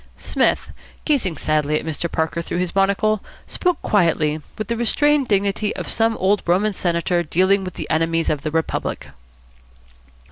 Psmith, gazing sadly at Mr. Parker through his monocle, spoke quietly, with the restrained dignity of some old Roman senator dealing with the enemies of the Republic.